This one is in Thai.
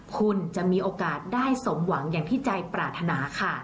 คุณจะมีโอกาสได้สมหวังอย่างที่ใจปรารถนาค่ะ